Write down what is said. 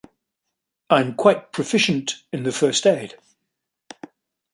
I’m quite proficient in the first aid.